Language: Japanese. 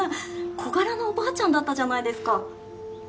小柄なおばあちゃんだったじゃないですか。